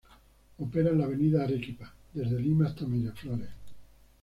Opera en la avenida Arequipa desde Lima hasta Miraflores.